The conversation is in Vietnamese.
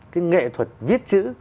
cái nghệ thuật viết chữ